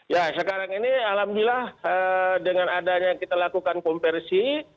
ya sekarang ini alhamdulillah dengan adanya kita lakukan komprsi